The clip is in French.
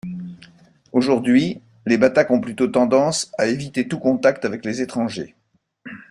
Aujourd'hui, les Batak ont plutôt tendance à éviter tout contact avec les étrangers.